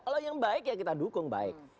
kalau yang baik ya kita dukung baik